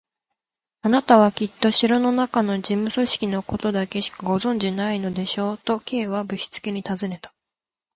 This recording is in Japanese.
「あなたはきっと城のなかの事務組織のことだけしかご存じでないのでしょう？」と、Ｋ はぶしつけにたずねた。